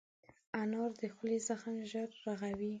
انار د خولې زخم ژر رغوي.